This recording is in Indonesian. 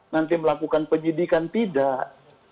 nanti melakukan penyidikan tidak